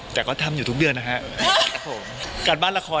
แต่ก็ทำอยู่ทุกเดือนนะฮะ